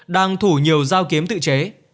đang thủ nhiều giao kiếm tự chế